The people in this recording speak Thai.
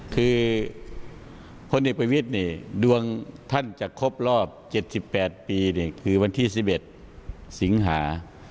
คือพลเอกประวิทย์ดวงท่านจะครบรอบ๗๘ปีนี่คือวันที่๑๑สิงหา